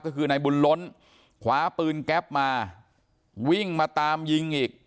ก็คือนายบุญล้นคว้าปืนแก๊ปมาวิ่งมาตามยิงอีก